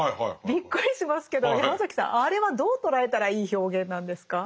びっくりしますけどヤマザキさんあれはどう捉えたらいい表現なんですか？